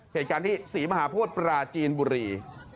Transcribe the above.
เหตุการณ์นี้ศรีมหาพวชประราชีนบุรี